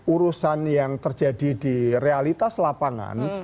urusan yang terjadi di realitas lapangan